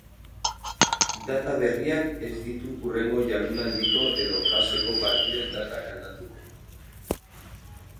Data berriak ez ditu hurrengo jardunaldiko edo faseko partiden datak aldatuko.